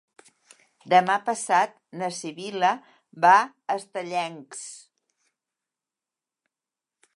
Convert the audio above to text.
Demà passat na Sibil·la va a Estellencs.